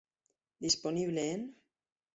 Disponible en